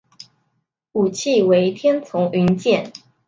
武器为天丛云剑。